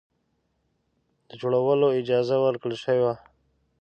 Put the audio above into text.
د جوړولو اجازه ورکړه شوه.